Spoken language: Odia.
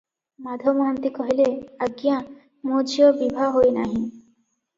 ମାଧ ମହାନ୍ତି କହିଲେ, "ଆଜ୍ଞା, ମୋ ଝିଅ ବିଭା ହୋଇନାହିଁ ।"